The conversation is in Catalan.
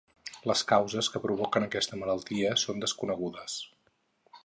Les causes que provoquen aquesta malaltia són desconegudes.